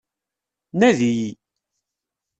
Nadi-yi.